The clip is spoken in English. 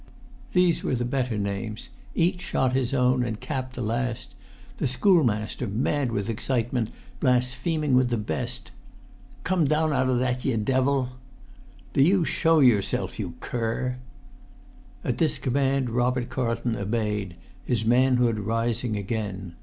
They were the better names; each shot his own, and capped the last; the schoolmaster, mad with excitement, blaspheming with the best. "Come down out of that, ye devil!" "Do you show yourself, you cur!" And this command Robert Carlton obeyed, his manhood rising yet again.